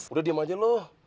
udah diam aja lu